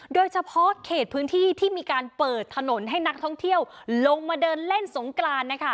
โดยเฉพาะเขตพื้นที่ที่มีการเปิดถนนให้นักท่องเที่ยวลงมาเดินเล่นสงกรานนะคะ